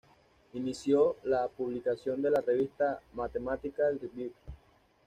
Inició la publicación de la revista "Mathematical Reviews".